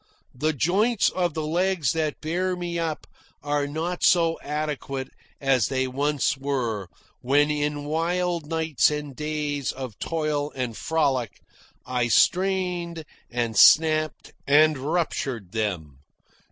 The joints of the legs that bear me up are not so adequate as they once were, when, in wild nights and days of toil and frolic, I strained and snapped and ruptured them.